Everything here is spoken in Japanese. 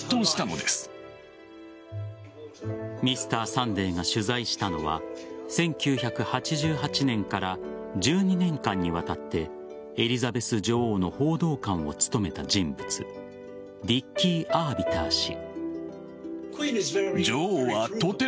「Ｍｒ．サンデー」が取材したのは、１９８８年から１２年間にわたってエリザベス女王の報道官を務めた人物ディッキー・アービター氏。